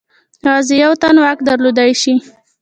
یوازې یو تن واک درلودلای شي.